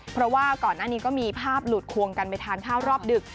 เพราะว่าก่อนหน้านี้ก็มีภาพหลุดควงกันไปทานข้าวรอบดึก